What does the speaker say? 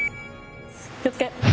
気をつけ。